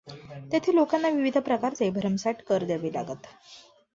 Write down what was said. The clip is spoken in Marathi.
तेथे लोकांना विविध प्रकारचे भरमसाठ कर द्यावे लागत.